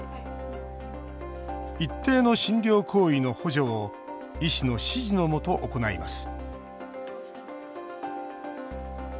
一定の診療行為の補助を医師の指示のもと行います